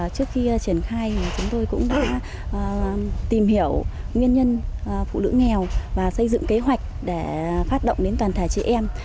trước khi triển khai thì chúng tôi cũng đã tìm hiểu nguyên nhân phụ nữ nghèo và xây dựng kế hoạch để phát động đến toàn thể chị em